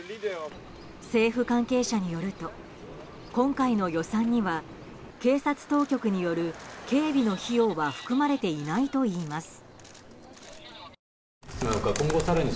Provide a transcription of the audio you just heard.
政府関係者によると今回の予算には警察当局による警備の費用は含まれていないといいます。